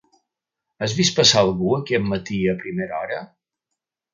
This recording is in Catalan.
Has vist passar algú aquest matí a primera hora?